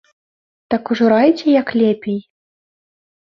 Так ужо райце, як лепей!